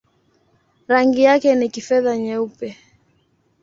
Rangi yake ni kifedha-nyeupe.